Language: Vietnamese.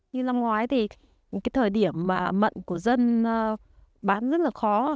như năm ngoái thì cái thời điểm mận của dân bán rất là khó